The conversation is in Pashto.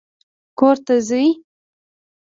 کور ته ځې؟